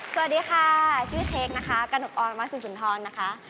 สวัสดีค่ะชื่อเทคนะครับกะหนุกออนวัสดิ์สุนทรนะครับ